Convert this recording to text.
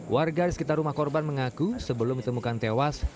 warga di sekitar rumah korban mengaku sebelum ditemukan tewas